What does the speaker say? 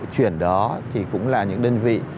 chuyển đó thì cũng là những đơn vị